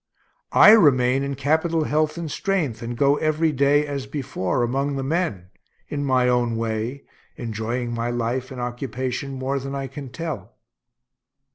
I remain in capital health and strength, and go every day, as before, among the men, in my own way, enjoying my life and occupation more than I can tell.